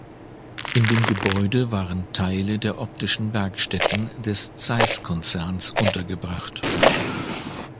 In dem Gebäude waren Teile der optischen Werkstätten des Zeiss-Konzerns untergebracht.